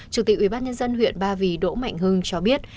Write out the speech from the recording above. chủ tịch ủy ban nhân dân huyện ba vì đỗ mạnh hưng cho biết